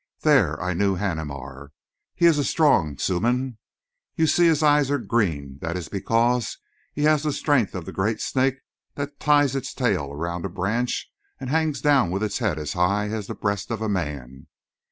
There I knew Haneemar. He is a strong suhman. You see, his eyes are green; that is because he has the strength of the great snake that ties its tail around a branch and hangs down with its head as high as the breast of a man.